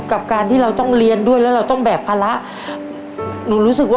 ไม่หนักค่ะเพราะอะไรนุ๊กคิดอย่างนั้นแหละลูก